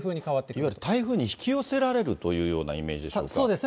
いわゆる台風に引き寄せられるというようなイメージでしょうそうですね。